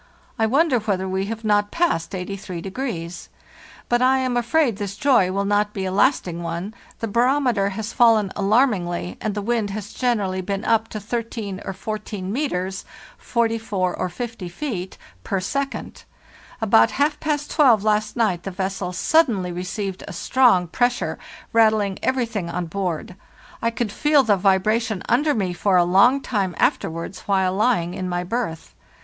| wonder whether we have not passed 83°? But I am afraid this joy will not be a lasting one; the barometer has fallen alarmingly, and the wind has generally been up to 13 or 14 metres (44 or 50 feet) per second. About half past twelve last night the vessel suddenly received a strong pressure, rattling everything on board. I could WE PREPARE FOR THE SLEDGE EXPEDITION 29 feel the vibration under me for a long time afterwards while lying in my berth.